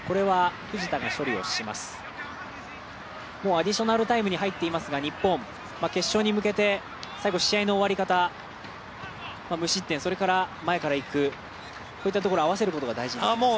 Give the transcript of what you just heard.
アディショナルタイムに入っていますが決勝に向けて、最後試合の終わり方無失点、それから前からいくこういったことを合わせることが大事になってきますね。